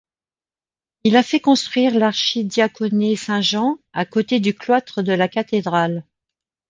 Il a fait construire l'archidiaconé Saint-Jean à côté du cloître de la cathédrale.